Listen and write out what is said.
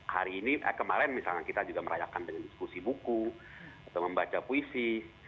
hari ini kemarin misalnya kita juga merayakan dengan diskusi buku atau membaca puisi